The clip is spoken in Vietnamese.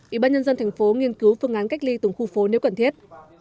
ủy ban nhân dân thành phố nghiên cứu phương án cách ly từng khu phố nếu cần thiết